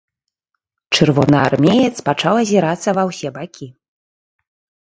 Чырвонаармеец пачаў азірацца ва ўсе бакі.